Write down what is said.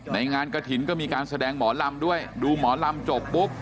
งานกระถิ่นก็มีการแสดงหมอลำด้วยดูหมอลำจบปุ๊บ